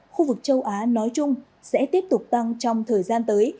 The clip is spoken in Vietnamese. khu vực châu á nói chung sẽ tiếp tục tăng trong thời gian tới